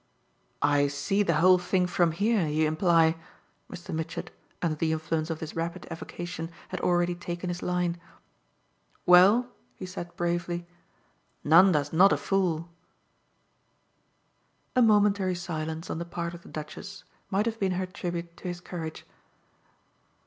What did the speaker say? "I see the whole thing from here, you imply?" Mr. Mitchett, under the influence of this rapid evocation, had already taken his line. "Well," he said bravely, "Nanda's not a fool." A momentary silence on the part of the Duchess might have been her tribute to his courage.